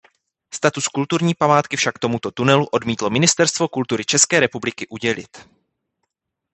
Status kulturní památky však tomuto tunelu odmítlo Ministerstvo kultury České republiky udělit.